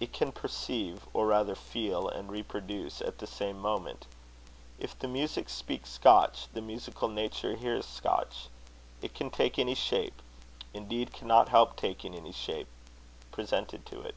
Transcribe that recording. It can perceive, or rather feel, and reproduce, at the same moment. If the music speaks Scotch, the musical nature hears Scotch. It can take any shape, indeed cannot help taking any shape, presented to it."